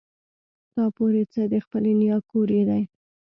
تا پورې څه د خپلې نيا کور يې دی.